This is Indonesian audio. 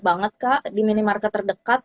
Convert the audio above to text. banget kak di minimarket terdekat